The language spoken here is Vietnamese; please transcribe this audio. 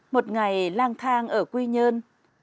một ngày lang thang ở quy nhơn